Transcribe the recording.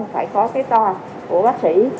phải có cái to của bác sĩ